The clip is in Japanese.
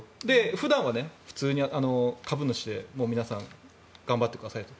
普段は普通に、株主で皆さん、頑張ってくださいと。